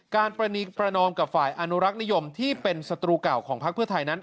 การประนอมกับฝ่ายอนุรักษ์นิยมที่เป็นศัตรูเก่าของพักเพื่อไทยนั้น